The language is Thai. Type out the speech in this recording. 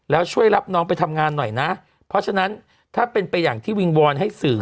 แล้วช่วยรับน้องไปทำงานหน่อยนะเพราะฉะนั้นถ้าเป็นไปอย่างที่วิงวอนให้สื่อ